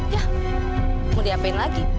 ya mau diapain lagi